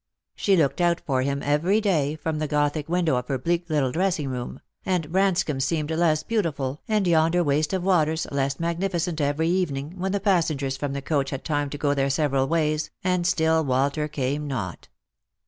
She looked out for him every day, from the Lost for Love. 125 gothic window of her bleak little dressing room; and Branscomb seemed less beautiful, and yonder waste of waters less magni ficent every evening, when the passengers from the coach had had time to go their several ways, and still Walter came not.